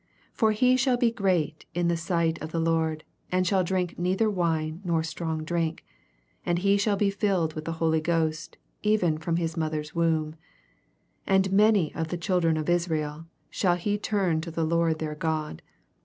16 For he shall be great in the siffht of the Lord, and sh^ drink neither wine nor strong drink ; and he shall be filled with the Holv Ghost, even from his mother's womb. 16 And many of the children of Israel shall he turn to the Lord their God.